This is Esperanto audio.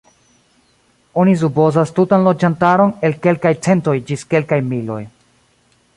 Oni supozas tutan loĝantaron el kelkaj centoj ĝis kelkaj miloj.